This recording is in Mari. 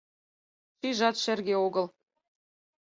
Шийжат шерге огыл